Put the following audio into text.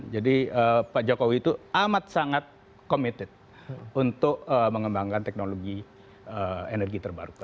jadi pak jokowi itu amat sangat committed untuk mengembangkan teknologi energi terbarukan